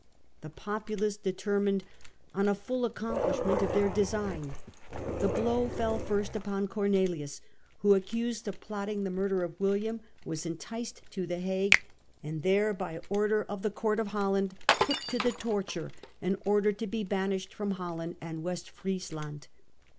The populace determined on a full accomplishment of their design. The blow fell first upon Cornelius, who, accused of plotting the murder of William, was enticed to the Hague, and there, by order of the Court of Holland, put to the torture, and ordered to be banished from Holland and West Friesland.